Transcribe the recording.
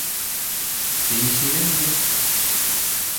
Değişelim mi?